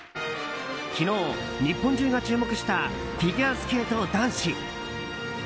昨日、日本中が注目したフィギュアスケート男子。